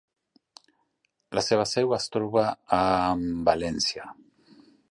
La seva seu es troba en València.